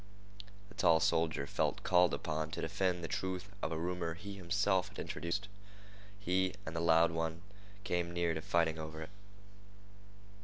The tall soldier felt called upon to defend the truth of a rumor he himself had introduced. He and the loud one came near to fighting over it.